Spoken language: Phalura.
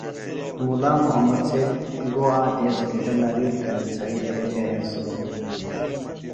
مُلا محمد سید گو آک دیس گِڈہ نڑیل تھنیۡ زھائی تھےۡ بےۡ ہینسِلوۡ ہِنوۡ